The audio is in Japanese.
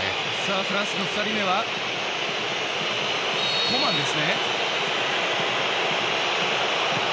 フランスの２人目はコマンです。